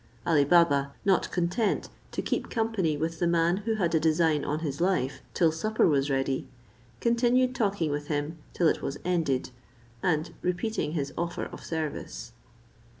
Ali Baba, not content to keep company with the man who had a design on his life till supper was ready, continued talking with him till it was ended, and repeating his offer of service.